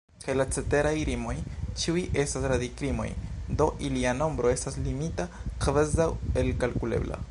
Kaj la ceteraj rimoj ĉiuj estas radikrimoj, do ilia nombro estas limita, kvazaŭ elkalkulebla.